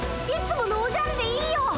いつものおじゃるでいいよ！